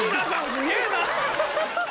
すげえな！